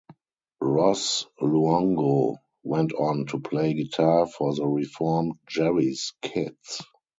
Ross Luongo went on to play guitar for the reformed Jerry's Kids.